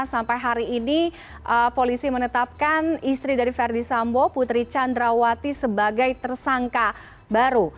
sampai hari ini polisi menetapkan istri dari verdi sambo putri candrawati sebagai tersangka baru